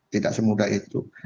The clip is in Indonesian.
tidak semudah itu